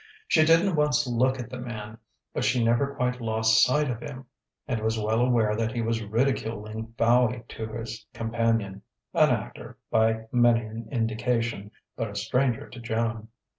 She didn't once look at the man; but she never quite lost sight of him, and was well aware that he was ridiculing Fowey to his companion an actor, by many an indication, but a stranger to Joan.